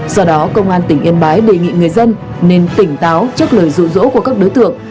do đó công an tỉnh yên bái đề nghị người dân nên tỉnh táo trước lời dụ dỗ của các đối tượng